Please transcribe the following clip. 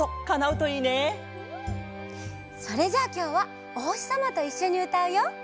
うんそれじゃあきょうはおほしさまといっしょにうたうよ！